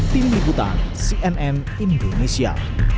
tim liputan cnn indonesia